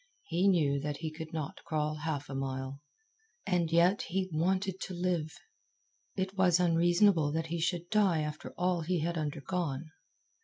He knew that he could not crawl half a mile. And yet he wanted to live. It was unreasonable that he should die after all he had undergone.